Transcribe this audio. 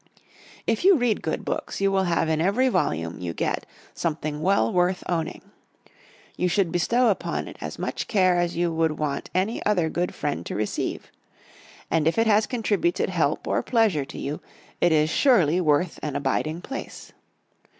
If you read good books you will have in every volume you get something well worth owning. You should bestow upon it as much care as you would want any other good friend to receive. And if it has contributed help or pleasure to you it is surely worth an abiding place.